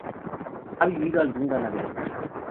Ha vivido algún ganadero.